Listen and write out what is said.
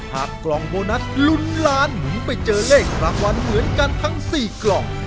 กล่องโบนัสลุ้นล้านหมุนไปเจอเลขรางวัลเหมือนกันทั้ง๔กล่อง